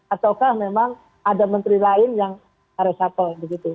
ataukah memang ada menteri lain yang reshuffle begitu